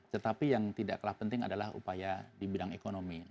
tetapi yang tidaklah penting adalah upaya di bidang ekonomi